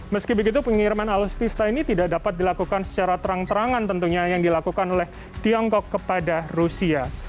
meski begitu pengiriman alutsista ini tidak dapat dilakukan secara terang terangan tentunya yang dilakukan oleh tiongkok kepada rusia